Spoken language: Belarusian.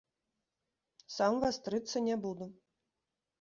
Сам вастрыцца не буду.